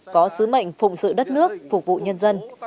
có sứ mệnh phụng sự đất nước phục vụ nhân dân